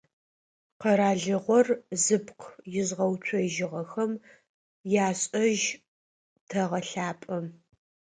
Къэралыгъор зыпкъ изгъэуцожьыгъэхэм яшӏэжь тэгъэлъапӏэ.